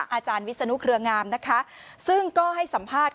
อาจารย์วิศนุเครืองามนะคะซึ่งก็ให้สัมภาษณ์